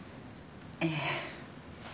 ええ。